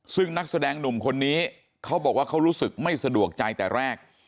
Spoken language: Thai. ซึ่งนักแสดงหนุ่มคนนี้เขาบอกว่าเขารู้สึกไม่สะดวกใจแต่แรก